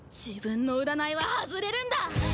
自分の占いは外れるんだ！